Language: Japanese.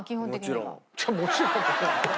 「もちろん」！？